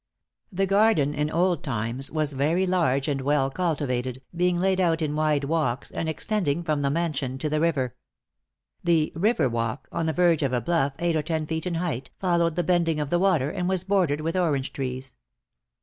The garden in old times was very large and well cultivated, being laid out in wide walks, and extending from the mansion to the river. The "river walk," on the verge of a bluff eight or ten feet in height, followed the bending of the water, and was bordered with orange trees.